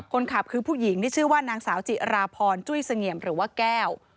คนขับคือผู้หญิงที่ชื่อว่านางสาวจิราพรจุ้ยเสงี่ยมหรือว่าแก้ว